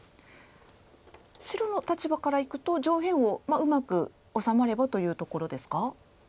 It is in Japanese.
白の立場からいくと上辺をうまく治まればというところですか？